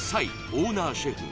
Ｓａｉオーナーシェフ